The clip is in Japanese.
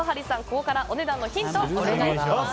ここからお値段のヒントをお願いします。